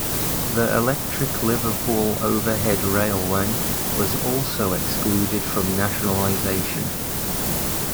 The electric Liverpool Overhead Railway was also excluded from nationalisation.